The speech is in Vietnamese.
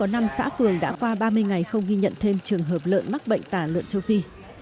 là một lợn mắc bệnh tàn lợn châu phi